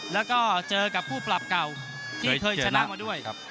แล้วก็เจอกับคู่ปรับเก่าที่เคยชนะมาด้วย